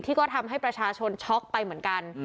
ที่ก็ทำให้ประชาชนช็อกไปเหมือนกัน